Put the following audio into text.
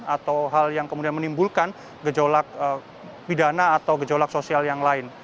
atau hal yang kemudian menimbulkan gejolak pidana atau gejolak sosial yang lain